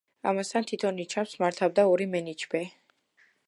ამასთან, თითო ნიჩაბს მართავდა ორი მენიჩბე.